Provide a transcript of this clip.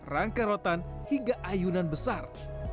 rangka rotan hingga ayunan besar